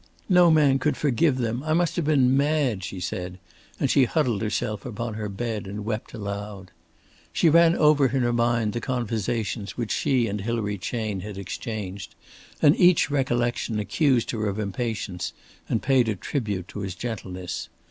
"No man could forgive them. I must have been mad," she said, and she huddled herself upon her bed and wept aloud. She ran over in her mind the conversations which she and Hilary Chayne had exchanged, and each recollection accused her of impatience and paid a tribute to his gentleness.